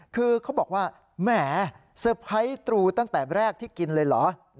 คือเขาบอกว่าแหมเซอร์ไพรส์ตรูตั้งแต่แรกที่กินเลยเหรอ